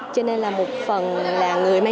cho nên là một phần là người